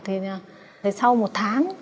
thì sau một tháng